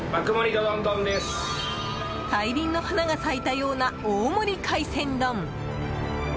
大輪の花が咲いたような大盛り海鮮丼。